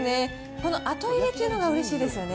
この後入れというのがうれしいですよね。